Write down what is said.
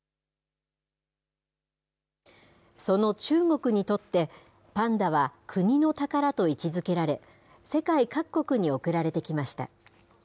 その中国にとって、パンダは国の宝と位置づけられ、世界各国に送られてきました。